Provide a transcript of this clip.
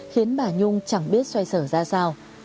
khiến bà nhung chẳng biết xoay sở ra sao